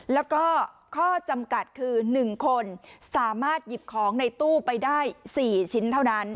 แล้วก็ข้อจำกัดคือ๑คนสามารถหยิบของในตู้ไปได้๔ชิ้นเท่านั้น